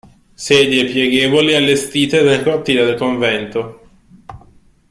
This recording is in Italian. Sedie pieghevoli allestite nel cortile del convento.